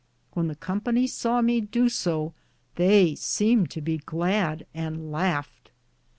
When the Company saw me do so theye semed to be glad, and laughed.